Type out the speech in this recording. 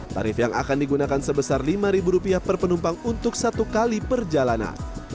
tarif yang akan digunakan sebesar rp lima per penumpang untuk satu kali perjalanan